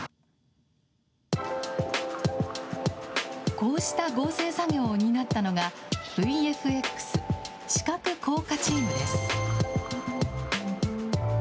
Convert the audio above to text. こうした合成作業を担ったのが、ＶＦＸ・視覚効果チームです。